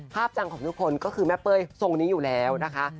จังของทุกคนก็คือแม่เป้ยทรงนี้อยู่แล้วนะคะ